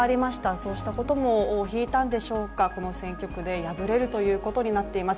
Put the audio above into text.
そうしたことも尾を引いたんでしょうか、この選挙区で敗れるということになっています。